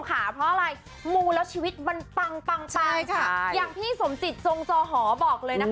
เพราะอะไรมูแล้วชีวิตมันปังอย่างพี่สมศิษย์โจงโจฮอบอกเลยนะคะ